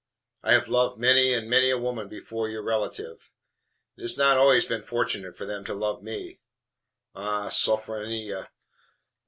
I have loved many and many a woman before your relative. It has not always been fortunate for them to love me. Ah, Sophronia!